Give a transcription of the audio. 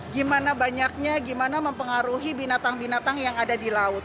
gimana banyaknya gimana mempengaruhi binatang binatang yang ada di laut